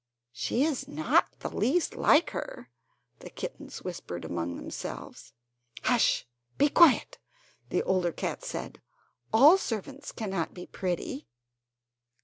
"She is not the least like her," the kittens whispered among themselves. "Hush, be quiet!" the older cats said; "all servants cannot be pretty."